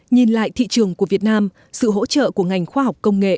nhìn lại thị trường của việt nam sự hỗ trợ của ngành khoa học công nghệ